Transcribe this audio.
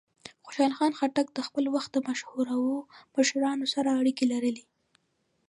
خوشحال خان خټک د خپل وخت د مشهورو مشرانو سره اړیکې لرلې.